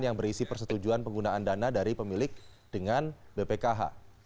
yang berisi persetujuan penggunaan dana dari pemilik dengan bpkh